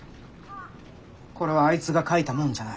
これはあいつが書いたもんじゃない。